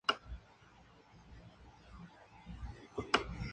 Pertenece a la etnia hazara de Afganistán.